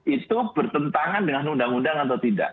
itu bertentangan dengan undang undang atau tidak